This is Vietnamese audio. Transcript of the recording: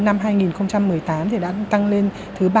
năm hai nghìn một mươi tám thì đã tăng lên thứ ba mươi chín